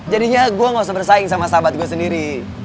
jadinya gue gak usah bersaing sama sahabat gue sendiri